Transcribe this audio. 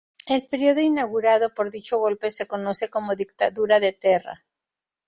El período inaugurado por dicho golpe se conoce como Dictadura de Terra.